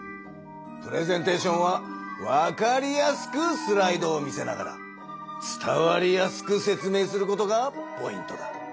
プレゼンテーションはわかりやすくスライドを見せながら伝わりやすく説明することがポイントだ。